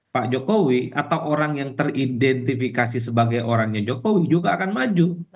pak jokowi atau orang yang teridentifikasi sebagai orangnya jokowi juga akan maju